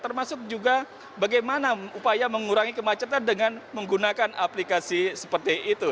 termasuk juga bagaimana upaya mengurangi kemacetan dengan menggunakan aplikasi seperti itu